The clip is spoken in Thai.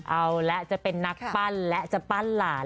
เอาละจะเป็นนักปั้นและจะปั้นหลาน